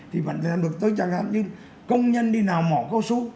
thì vẫn làm được tới chẳng hạn như công nhân đi nào mỏ câu su